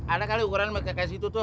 ada kali ukurannya kayak gitu tuh